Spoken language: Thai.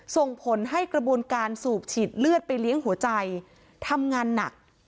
ส่งผลให้กระบวนการสูบฉีดเลือดไปเลี้ยงหัวใจทำงานหนัก